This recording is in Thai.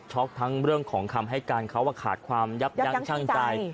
ทั้งเรื่องของคำให้การเขาว่าขาดความยับยั้งชั่งใจ